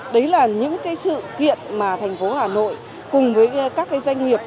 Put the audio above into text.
đấy là những sự kiện mà thành phố hà nội cùng với các doanh nghiệp